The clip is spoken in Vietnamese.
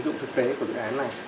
như dụng thực tế của dự án này